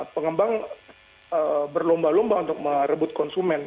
pengembang berlomba lomba untuk merebut konsumen